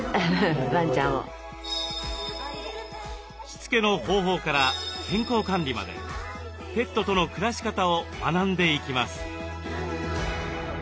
しつけの方法から健康管理までペットとの暮らし方を学んでいきます。